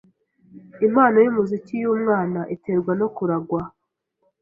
Impano yumuziki yumwana iterwa no kuragwa?